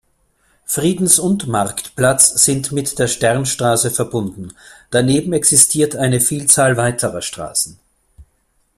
Friedens- und Marktplatz sind mit der Sternstraße verbunden, daneben existiert eine Vielzahl weiterer Straßen.